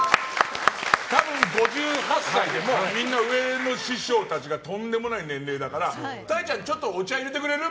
多分、５８歳でもみんな上の師匠たちがとんでもない年齢だからたいちゃんちょっとお茶入れてくれる？